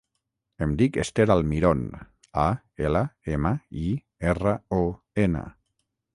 Em dic Esther Almiron: a, ela, ema, i, erra, o, ena.